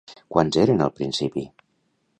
Quants eren al principi?